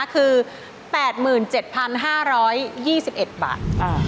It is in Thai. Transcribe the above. คือ๘๗๕๒๑บาท